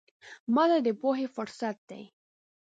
ماته د پوهې فرصت دی.